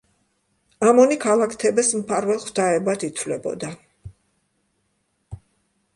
ამონი ქალაქ თებეს მფარველ ღვთაებად ითვლებოდა.